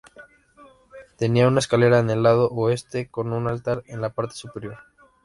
Tenía una escalera en el lado oeste con un altar en la parte superior.